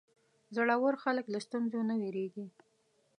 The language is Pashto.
زړور خلک له ستونزو نه وېرېږي.